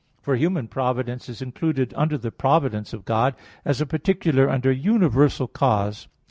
For human providence is included under the providence of God, as a particular under a universal cause.